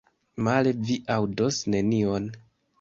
Male, vi aŭdos nenion.